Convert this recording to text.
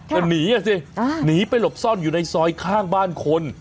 ก็หนีอ่ะสิหนีไปหลบซ่อนอยู่ในซอยข้างบ้านคน